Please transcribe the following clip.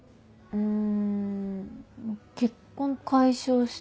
うん。